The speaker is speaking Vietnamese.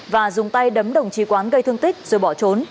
và dùng tay đấm đồng chí quán gây thương tích rồi bỏ trốn